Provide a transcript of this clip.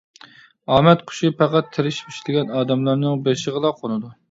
ئامەت قۇشى پەقەت تىرىشىپ ئىشلىگەن ئادەملەرنىڭ بېشىغىلا قونىدۇ.